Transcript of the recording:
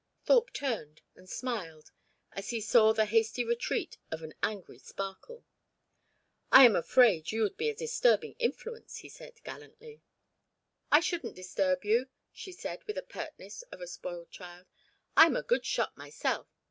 Thorpe turned, and smiled, as he saw the hasty retreat of an angry sparkle. "I am afraid you would be a disturbing influence," he said gallantly. "I shouldn't disturb you," she said, with the pertness of a spoilt child. "I am a good shot myself.